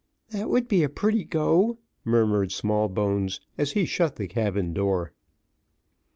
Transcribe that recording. "That would be a pretty go," murmured Smallbones, as he shut the cabin door.